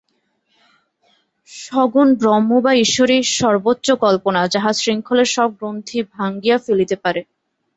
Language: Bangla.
সগুণ ব্রহ্ম বা ঈশ্বরই সর্বোচ্চ কল্পনা, যাহা শৃঙ্খলের সব গ্রন্থি ভাঙিয়া ফেলিতে পারে।